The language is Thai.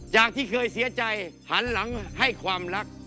จากที่เคยเสียใจหันหลังให้ความรัก